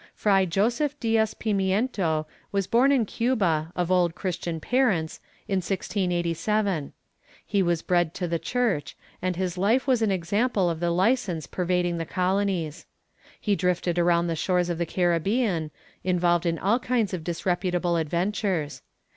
Fray Joseph Diaz Pimiento was born in Cuba, of Old Christian parents, in 1687. He was bred to the Church and his life was an example of the licence pervading the colonies. He drifted around the shores of the Caribbean, involved in all kinds of disreputable adventures.